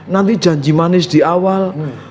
nanti janji manis di awal